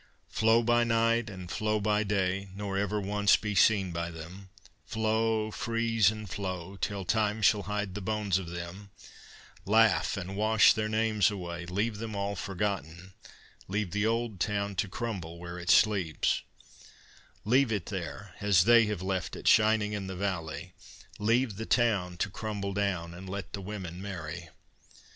"Flow by night and flow by day, nor ever once be seen by them; Flow, freeze, and flow, till time shall hide the bones of them: Laugh and wash their names away, leave them all forgotten, Leave the old town to crumble where it sleeps; Leave it there as they have left it, shining in the valley, Leave the town to crumble down and let the women marry.